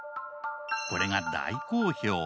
これが大好評。